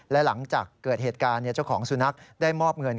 และหลังจากเกิดเหตุการณ์เจ้าของสุนัขได้มอบเงิน